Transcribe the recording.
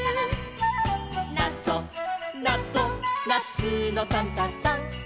「なぞなぞなつのサンタさん」